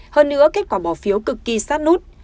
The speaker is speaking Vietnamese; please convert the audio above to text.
hơn nữa kết quả bỏ phiếu cực kỳ sát nút